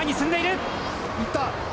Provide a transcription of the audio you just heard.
いった。